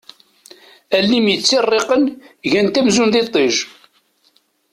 Allen-im yettirriqen gant amzun d iṭij.